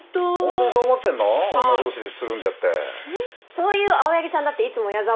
そういう青柳さんだっていつも矢沢さんと。